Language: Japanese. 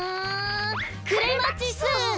クレマチス！